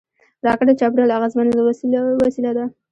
راکټ د چاپېریال اغېزمن وسیله ده